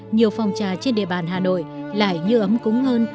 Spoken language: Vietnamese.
nhiều phòng trà trên địa bàn hà nội lại như ấm cúng hơn